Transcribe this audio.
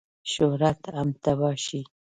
شهرت هم تباه شي.